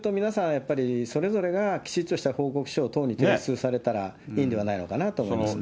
やっぱり、それぞれがきちっとした報告書を党に提出されたらいいんではないのかなと思いますね。